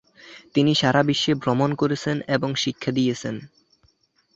তিনি সারা বিশ্বে ভ্রমণ করেছেন এবং শিক্ষা দিয়েছেন।